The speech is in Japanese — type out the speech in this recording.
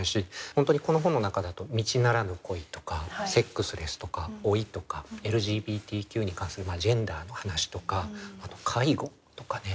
本当にこの本の中だと道ならぬ恋とかセックスレスとか老いとかＬＧＢＴＱに関するジェンダーの話とかあと介護とかね。